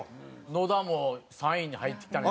野田も３位に入ってきたね。